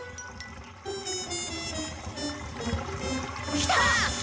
来た！